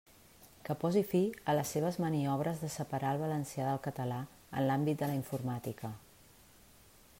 Que posi fi a les seves maniobres de separar el valencià del català en l'àmbit de la informàtica.